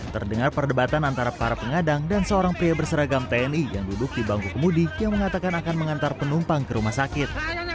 terdengar perdebatan antara para pengadang dan seorang pria berseragam tni yang duduk di bangku kemudi yang mengatakan akan mengantar penumpang ke rumah sakit